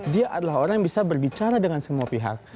dia adalah orang yang bisa berbicara dengan semua pihak